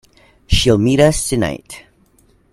She'll meet us tonight.